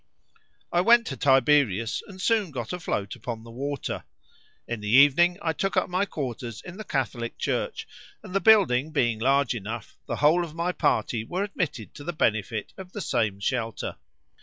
I went to Tiberias, and soon got afloat upon the water. In the evening I took up my quarters in the Catholic church, and the building being large enough, the whole of my party were admitted to the benefit of the same shelter.